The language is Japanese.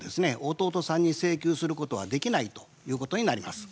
弟さんに請求することはできないということになります。